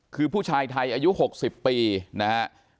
คือผู้ชายไทยอายุ๖๐ปีนะฮะ